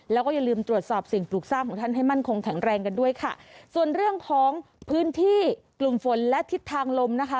แล้วก็อย่าลืมตรวจสอบสิ่งปลูกสร้างของท่านให้มั่นคงแข็งแรงกันด้วยค่ะส่วนเรื่องของพื้นที่กลุ่มฝนและทิศทางลมนะคะ